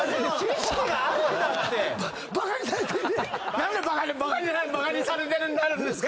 何でバカにバカにされてるになるんですか